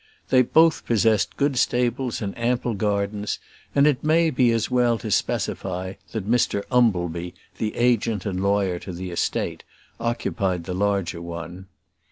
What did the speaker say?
They both possessed good stables and ample gardens; and it may be as well to specify, that Mr Umbleby, the agent and lawyer to the estate, occupied the larger one.